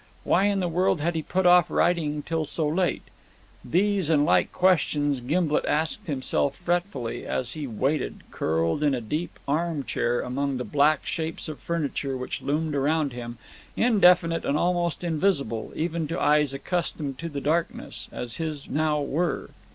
Why in the world had he put off writing till so late? These and like questions Gimblet asked himself fretfully, as he waited, curled in a deep arm chair among the black shapes of furniture which loomed around him, indefinite and almost invisible, even to eyes accustomed to the darkness, as his now were.